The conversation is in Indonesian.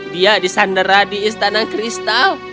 dia disandera di istana kristal